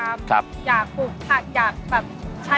แบบใช้ชีวิตไม่ง่ายเลยนะคะ